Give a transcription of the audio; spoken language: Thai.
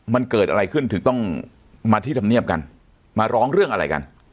มันเกิดอะไรขึ้นถึงต้องมาที่ธรรมเนียบกันมาร้องเรื่องอะไรกัน